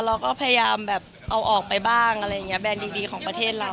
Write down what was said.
เราก็พยายามแบบเอาออกไปบ้างอะไรอย่างนี้แบรนด์ดีของประเทศเรา